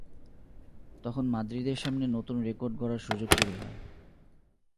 তখন মাদ্রিদের সামনে নতুন রেকর্ড গড়ার সুযোগ তৈরি হয়।